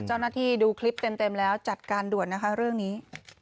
เจ้าหน้าที่ดูคลิปเต็มแล้วจัดการด่วนนะคะเรื่องนี้